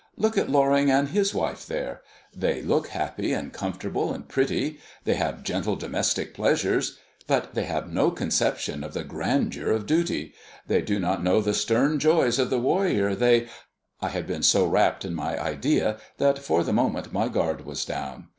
Look at Loring and his wife, there. They look happy, and comfortable, and pretty; they have gentle, domestic pleasures. But they have no conception of the grandeur of duty. They do not know the stern joys of the warrior, they " I had been so rapt in my idea that for the moment my guard was down.